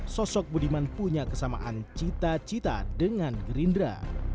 sosok budiman punya kesamaan cita cita dengan gerindra